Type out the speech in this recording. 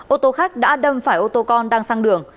ô tô khách đã đâm phải ô tô con đang sang đường